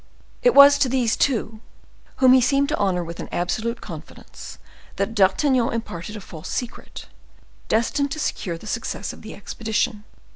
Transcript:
It was to these two, whom he seemed to honor with an absolute confidence, that D'Artagnan imparted a false secret, destined to secure the success of the expedition.